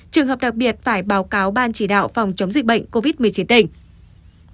trường hợp đặc biệt phải báo cáo ban chỉ đạo phòng chống dịch bệnh covid một mươi chín tỉnh